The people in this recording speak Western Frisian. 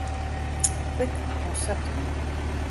Klik Konsepten.